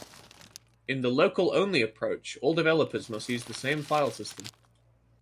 In the local-only approach, all developers must use the same file system.